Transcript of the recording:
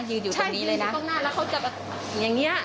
อยู่ตรงนี้เลยนะข้างหน้าแล้วเขาจะแบบอย่างนี้